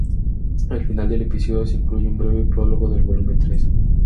Al final del episodio se incluye un breve prólogo del Volumen Tres.